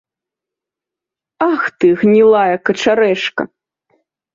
Ах ты, гнілая качарэжка!